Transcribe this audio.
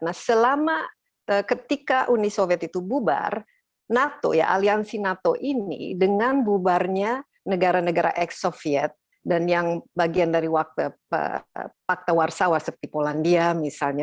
nah selama ketika uni soviet itu bubar nato ya aliansi nato ini dengan bubarnya negara negara ex soviet dan yang bagian dari fakta warsawa seperti polandia misalnya